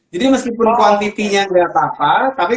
jadi meskipun qualitynya gak apa apa